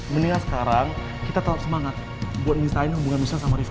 mendingan sekarang kita tetap semangat buat instain hubungan musuh sama rifqi